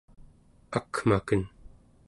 akmaken